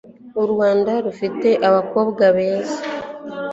urwanda rufite abakobwa beza